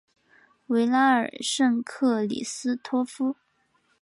维拉尔圣克里斯托夫。